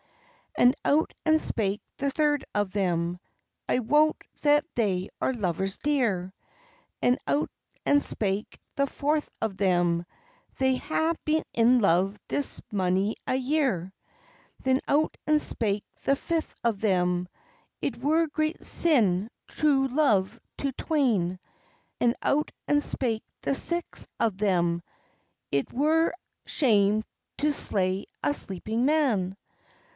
And out and spake the third o' them, "I wot that they are lovers dear!" And out and spake the fourth o' them, "They hae been in love this mony a year!" Then out and spake the fifth o' them, "It were great sin true love to twain!" And out and spake the sixth o' them, "It were shame to slay a sleeping man!"